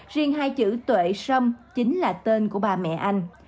riêng hai chữ tuệ sâm chính là tên của bà mẹ anh